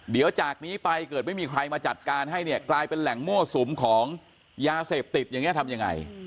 เดี๋ยวจากนี้ไปเกิดไม่มีใครมาจัดการให้เนี่ยกลายเป็นแหล่งมั่วสุมของยาเสพติดอย่างนี้ทำยังไง